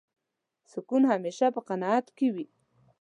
سکون همېشه په قناعت کې وي.